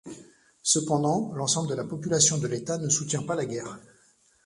Cependant, l'ensemble de la population de l'état ne soutient pas la guerre.